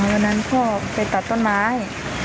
วันนั้นพ่อไปตัดต้นไม้